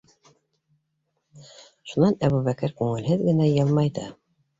- Шунан Әбүбәкер күңелһеҙ генә йылмайҙы.